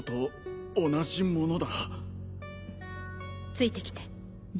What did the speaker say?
ついてきて。